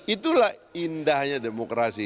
itulah indahnya demokrasi